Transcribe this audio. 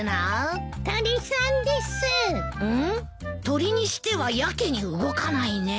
鳥にしてはやけに動かないね。